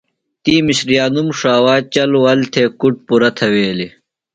تی مِسریانوم ݜاوا چل ول تھےۡ کُڈ پُرہ تِھویلیۡ۔